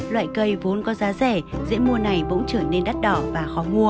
loại cây vốn có giá rẻ dễ mua này bỗng trở nên đắt đỏ và khó mua